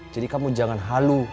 jadi kamu jangan halu